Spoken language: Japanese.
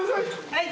はい。